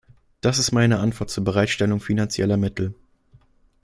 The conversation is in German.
Das ist meine Antwort zur Bereitstellung finanzieller Mittel.